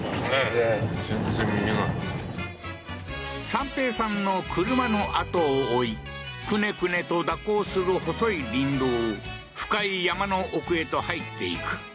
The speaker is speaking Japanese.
三瓶さんの車のあとを追い、くねくねと蛇行する細い林道を深い山の奥へと入っていく。